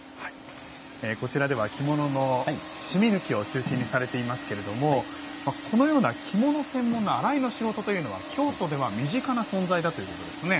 こちらでは着物の染み抜きを中心にされていますけれどもこのような着物専門の「洗いの仕事」というのは京都では身近な存在だということですね。